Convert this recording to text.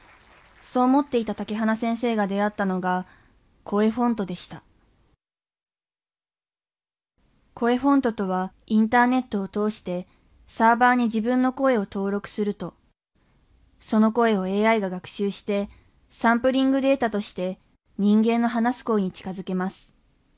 そう思っていた竹花先生が出会ったのが「ＣｏｅＦｏｎｔ」でしたＣｏｅＦｏｎｔとはインターネットを通してサーバーに自分の声を登録するとその声をＡＩが学習してサンプリングデータとして人間の話す声に近づけます。